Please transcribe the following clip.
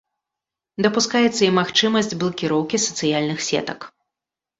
Дапускаецца і магчымасць блакіроўкі сацыяльных сетак.